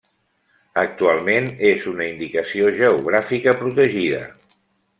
Actualment és una Indicació Geogràfica protegida.